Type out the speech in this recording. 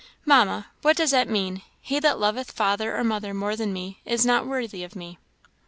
"Mamma, what does that mean, 'He that loveth father or mother more than me, is not worthy of me?'